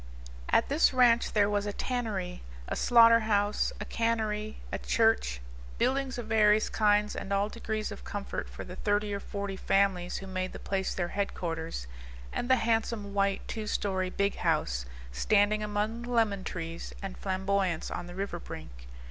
At this ranch there was a tannery; a slaughter house; a cannery; a church; buildings of various kinds and all degrees of comfort for the thirty or forty families who made the place their headquarters; and the handsome, white, two story big house, standing among lemon trees and flamboyants on the river brink.